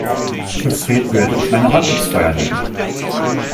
Für Fred würde ich meine Hand ins Feuer legen.